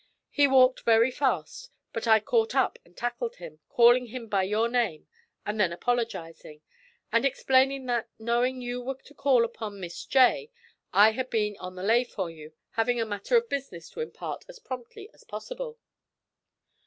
He walked very fast, but I caught up and tackled him, calling him by your name and then apologizing, and explaining that, knowing you were to call upon Miss J., I had been on the lay for you, having a matter of business to impart as promptly as possible.'